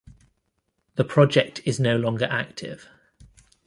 The project is no longer active.